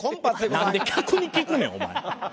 なんで客に聞くねんお前。